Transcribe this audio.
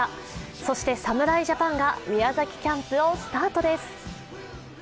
そして侍ジャパンが宮崎キャンプをスタートです。